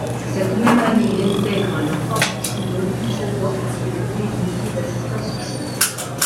Cette même année, il intègre la Fachhochschule Düsseldorf pour étudier le métier d'assistant social.